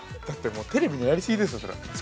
◆テレビのやり過ぎですよ、それ。